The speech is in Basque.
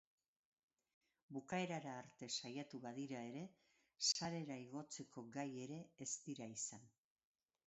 Bukaerara arte saiatu badira ere, sarera igotzeko gai ere ez dira izan.